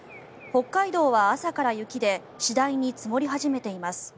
北海道は朝から雪で次第に積もり始めています。